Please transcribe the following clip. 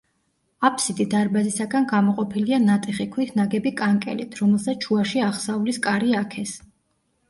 აფსიდი დარბაზისაგან გამოყოფილია ნატეხი ქვით ნაგები კანკელით, რომელსაც შუაში აღსავლის კარი აქეს.